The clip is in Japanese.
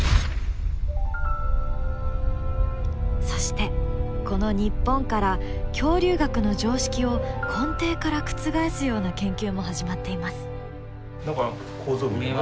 そしてこの日本から恐竜学の常識を根底から覆すような研究も始まっています。